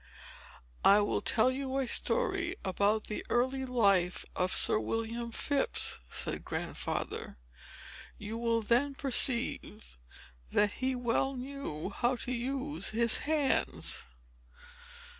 "I will tell you a story about the early life of Sir William Phips," said Grandfather. "You will then perceive, that he well knew how to use his hands."